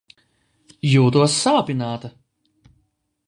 Jūtos sāpināta!